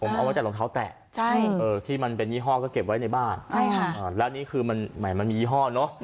ผมเอาไว้แต่รองเท้าแตะที่มันเป็นยี่ห้อก็เก็บไว้ในบ้านแล้วนี่คือมันแหมมันมียี่ห้อเนอะ